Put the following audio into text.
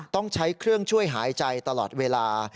ต้องใช้เครื่องช่วยหายใจตลอดเวลา